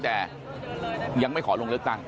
แต่ยังไม่ขอลงเลือกตั้ง